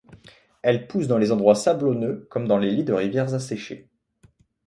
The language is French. Elle pousse dans les endroits sablonneux comme les lits de rivières asséchés.